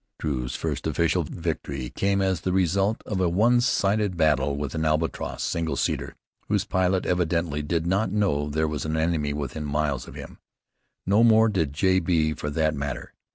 Drew's first official victory came as the result of a one sided battle with an Albatross single seater, whose pilot evidently did not know there was an enemy within miles of him. No more did J. B. for that matter.